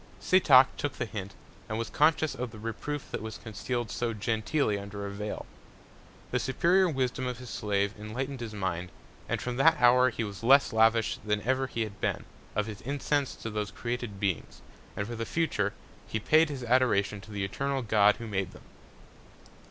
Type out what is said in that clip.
Setoc took the Hint, and was conscious of the Reproof that was conceal'd so genteely under a Vail. The superior Wisdom of his Slave enlightned his Mind; and from that Hour he was less lavish than ever he had been, of his Incense to those created Beings, and for the future, paid his Adoration to the eternal God who made them.